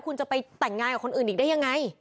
คุณจะไปแต่งงานกับคนอื่นอีกได้ยังไง